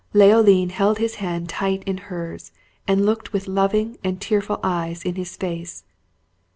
Leoline held his hand tight in hers, and looked with loving and tearful eyes in his face.